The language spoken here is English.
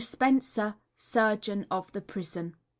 SPENCER, Surgeon of the Prison.